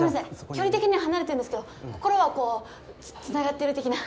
距離的には離れてるんですけど心はこうつながってる的な。